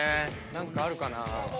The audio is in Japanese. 何かあるかな？